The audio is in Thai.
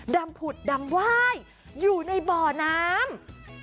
ผุดดำไหว้อยู่ในบ่อน้ำ